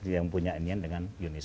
yang punya anian dengan unesco